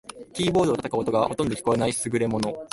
キーボードを叩く音がほとんど聞こえない優れもの